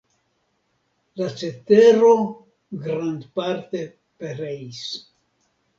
La cetero grandparte pereis.